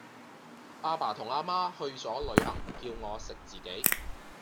阿爸同阿媽去左旅行，叫我食自己